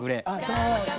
そう！